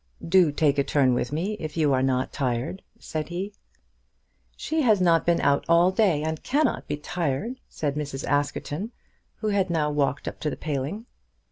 "Do take a turn with me, if you are not tired," said he. "She has not been out all day, and cannot be tired," said Mrs. Askerton, who had now walked up to the paling.